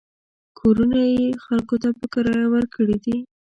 کورونه یې خلکو ته په کرایه ورکړي دي.